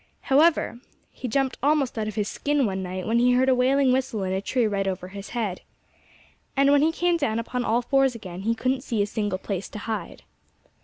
However, he jumped almost out of his skin one night, when he heard a wailing whistle in a tree right over his head. And when he came down upon all fours again he couldn't see a single place to hide.